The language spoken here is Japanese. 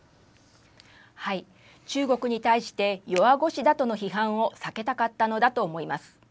中国に対して弱腰だとの批判を避けたかったのだと思います。